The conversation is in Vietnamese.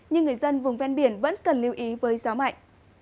nhưng người dân vùng ven biển vẫn cần lưu ý với gió mạnh